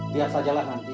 biar sajalah nanti